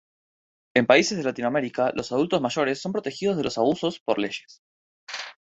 En paises de Latinoamerica los adultos mayores son protegidos de los abusos por leyes.